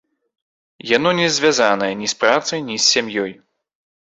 Яно не звязанае ні з працай, ні з сям'ёй.